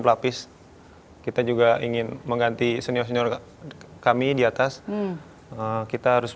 pelapis kita juga ingin mengganti senior senior kami di atas kita harus